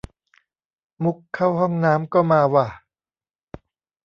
มุกเข้าห้องน้ำก็มาว่ะ